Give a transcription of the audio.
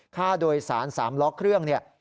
ค่าโดยสารสามล้อเครื่อง